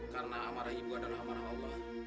karena amarah ibu adalah amarah allah